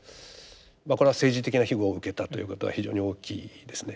これは政治的な庇護を受けたということが非常に大きいですね。